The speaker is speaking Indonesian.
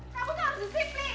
kamu tuh harus disiplin